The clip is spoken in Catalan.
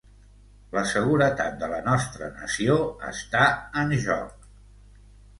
La seguretat de la nostra nació està en joc!